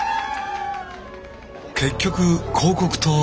結局広告塔は。